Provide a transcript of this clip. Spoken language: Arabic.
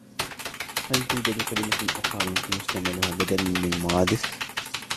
هل توجد كلمة أخرى يمكن استعمالها بدلا من " مرادف "؟